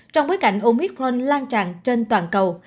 trong bối cảnh omicron lan tràn trên toàn cầu